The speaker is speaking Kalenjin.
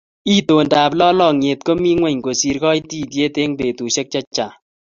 itondo ab lalangiet ko mi ngweny kosir kaititiet eng ' petushek chechang